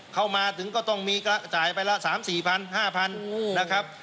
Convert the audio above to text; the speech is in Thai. เขามาถึงก็ต้องมีกระจายไปละ๓๔พัน๕พันนะครับ